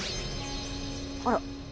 あら。